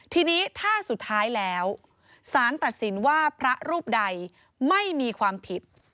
ทีนี้ถ้าสุดท้ายแล้วสารตัดสินว่าพระรูปใดไม่มีความผิด